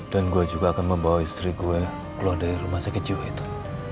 dan saya juga akan membawa istri saya keluar dari rumah sakit jiwa itu